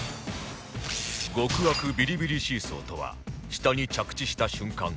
極悪ビリビリシーソーとは下に着地した瞬間